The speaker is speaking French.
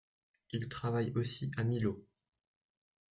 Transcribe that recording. Il travaille aussi à Milhaud.